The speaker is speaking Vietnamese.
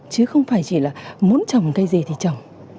chứ không phải chỉ là muốn trồng cây gì thì trồng